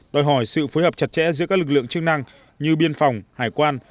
đòi hỏi sự phối hợp chặt chẽ giữa các lực lượng chức năng như biên phòng hải quan